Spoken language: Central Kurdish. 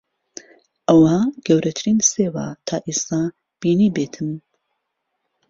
ئەوە گەورەترین سێوە تا ئێستا بینیبێتم.